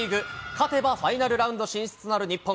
勝てばファイナルラウンド進出となる日本。